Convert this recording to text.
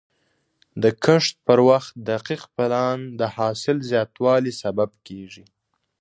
د کښت پر وخت دقیق پلان د حاصل زیاتوالي سبب کېږي.